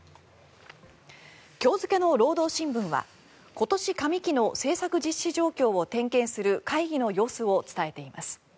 今日付の労働新聞は今年上期の政策実施状況を点検する会議の様子を伝えています。